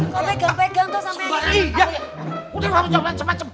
kok pegang pegang sampe